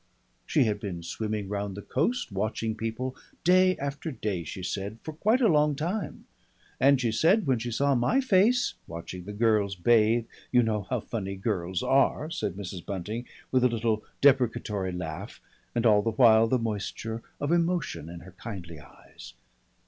She had been swimming round the coast watching people day after day, she said, for quite a long time, and she said when she saw my face, watching the girls bathe you know how funny girls are," said Mrs. Bunting, with a little deprecatory laugh, and all the while with a moisture of emotion in her kindly eyes.